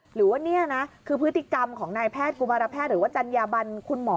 หรือว่านี่นะคือพฤติกรรมของนายแพทย์กุมารแพทย์หรือว่าจัญญาบันคุณหมอ